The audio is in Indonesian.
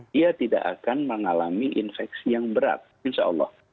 dia tidak akan mengalami infeksi yang berat insya allah